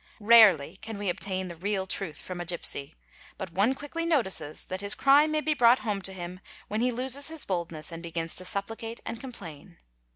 bt Rarely can we obtain the real truth from a gipsy; but one quickly "Notices that his crime may be brought home to him when he loses his Idness and begins to supplicate and complain.